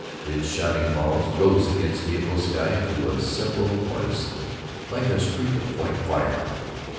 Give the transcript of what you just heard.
Its shining walls rose against April sky to a simple cornice like a streak of white fire.